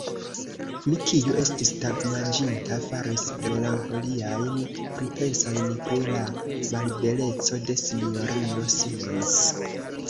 Mi, kiu estis tagmanĝinta, faris melankoliajn pripensojn pri la malbeleco de S-ino Simons.